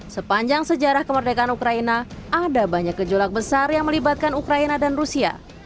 sepanjang sejarah kemerdekaan ukraina ada banyak gejolak besar yang melibatkan ukraina dan rusia